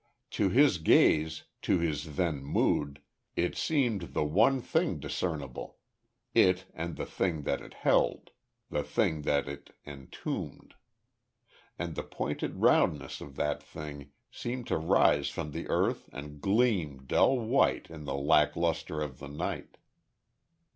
To his gaze to his then mood it seemed the one thing discernible it and the thing that it held the thing that it entombed. And the pointed roundness of that thing seemed to rise from the earth and gleam dull white in the lack lustre of the night.